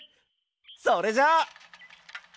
それじゃ！